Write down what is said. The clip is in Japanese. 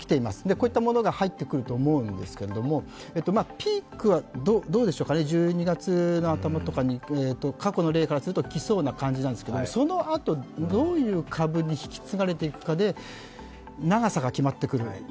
こういったものが入ってくると思うんですが、ピークは１２月の頭とかに、過去の例から来そうな感じなんですけれども、そのあと、どういう株に引き継がれていくかで長さが決まってくる。